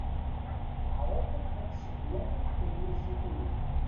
Ɛṛeḍ ad tseggmeḍ tagnizit-inek.